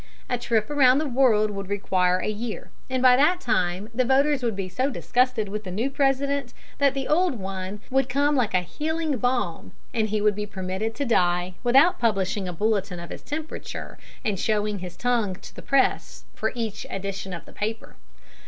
A trip around the world would require a year, and by that time the voters would be so disgusted with the new President that the old one would come like a healing balm, and he would be permitted to die without publishing a bulletin of his temperature and showing his tongue to the press for each edition of the paper.